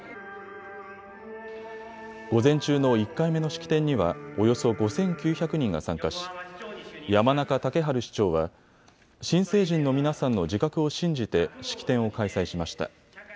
午前中の１回目の式典には、およそ５９００人が参加し山中竹春市長は新成人の皆さんの自覚を信じて式典を開催しました。